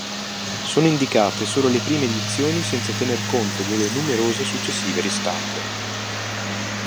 Sono indicate solo le prime edizioni senza tener conto delle numerose successive ristampe.